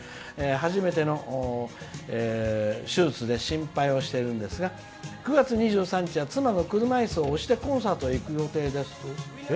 初めての手術で心配をしているんですが９月２３日は妻の車いすを押して押してコンサートへ行く予定です」。